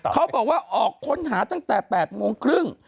เขาบอกว่าออกค้นหาตั้งแต่๘โมงครึ่ง